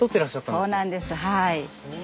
そうなんですはい。